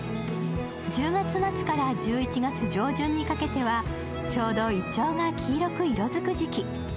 １０月末から１１月上旬にかけてはちょうどいちょうが黄色く色づく時期。